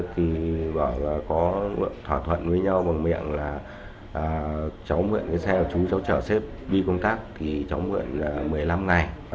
khi có thỏa thuận với nhau bằng miệng là cháu nguyện cái xe của chú cháu chở xếp đi công tác thì cháu nguyện một mươi năm ngày